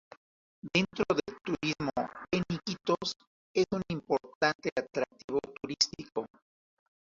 Dentro del turismo en Iquitos, es un importante atractivo turístico.